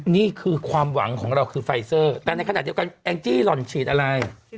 นี่คือความหวังของเราคือไฟเซอร์แต่ในขณะเดียวกันแองจี้หล่อนฉีดอะไร